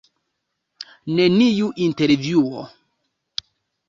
Neniu intervjuo.